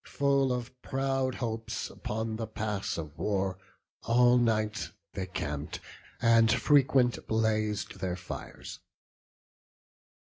Full of proud hopes, upon the pass of war, All night they camp'd; and frequent blaz'd their fires.